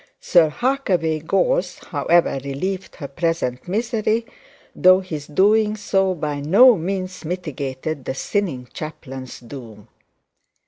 Sir Harkaway Gorse, however, relieved her present misery, though his doing so by no means mitigated the sinning chaplain's doom.